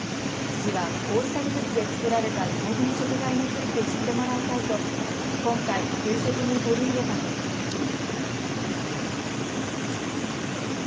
市はこうした技術で作られた地元の食材について知ってもらいたいと今回、給食に取り入れたということです。